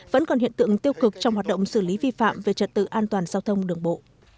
vẫn còn hiện tượng tiêu cực trong hoạt động xử lý vi phạm về trật tự an toàn giao thông đường bộ